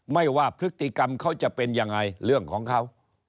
ว่าพฤติกรรมเขาจะเป็นยังไงเรื่องของเขา